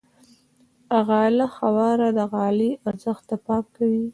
غاله خواره د غالۍ ارزښت ته پام کوي.